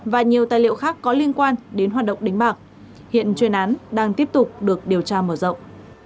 và nhiều tài liệu khác có liên quan đến hoạt động đánh bạc hiện chuyên án đang tiếp tục được điều tra mở rộng